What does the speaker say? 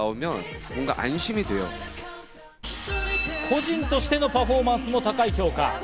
個人としてのパフォーマンスも高い評価。